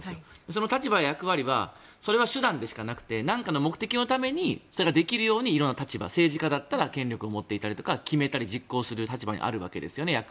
その立場、役割はそれは手段でしかなくて何かの目的のためにそれができるように色んな立場政治家だったら権力を持っていたりとか決めたり実行する立場、役割にあるわけですよね。